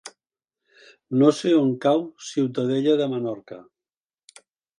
No sé on cau Ciutadella de Menorca.